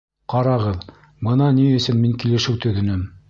Ҡарағыҙ, бына ни өсөн мин килешеү төҙөнөм!